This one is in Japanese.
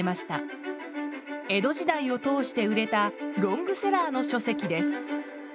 江戸時代を通して売れたロングセラーのしょせきです。